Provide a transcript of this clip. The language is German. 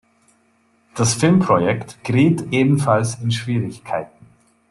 Das Filmprojekt geriet ebenfalls in Schwierigkeiten.